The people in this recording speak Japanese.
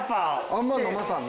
あんま飲まさんな。